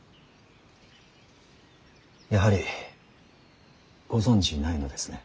やはりご存じないのですね。